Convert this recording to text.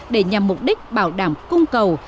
để nhằm mục đích bảo đảm cung cầu